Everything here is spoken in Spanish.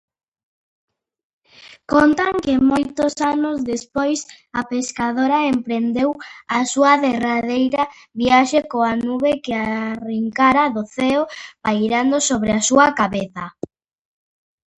Vive con su esposa en Porto Alegre.